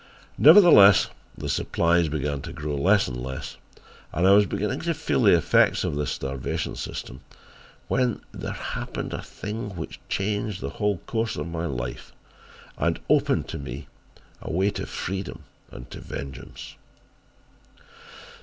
Nevertheless the supplies began to grow less and less, and I was beginning to feel the effects of this starvation system when there happened a thing which changed the whole course of my life and opened to me a way to freedom and to vengeance.